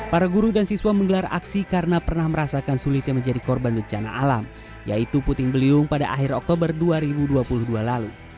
para guru dan siswa menggelar aksi karena pernah merasakan sulitnya menjadi korban bencana alam yaitu puting beliung pada akhir oktober dua ribu dua puluh dua lalu